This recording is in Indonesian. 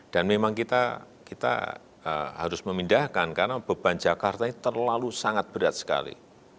dan memang kita harus memindahkan karena beban jakarta ini terlalu sangat berat sekali